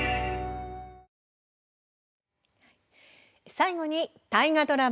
最後に、大河ドラマ